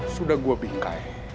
sudah gue bingkai